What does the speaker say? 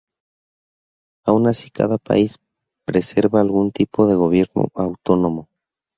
Aun así cada país preserva algún tipo de gobierno autónomo.